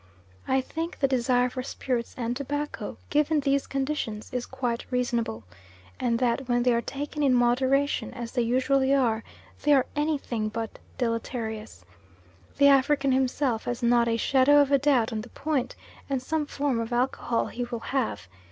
I think the desire for spirits and tobacco, given these conditions, is quite reasonable, and that when they are taken in moderation, as they usually are, they are anything but deleterious. The African himself has not a shadow of a doubt on the point, and some form of alcohol he will have.